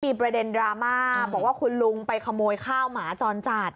มีประเด็นดราม่าบอกว่าคุณลุงไปขโมยข้าวหมาจรจัด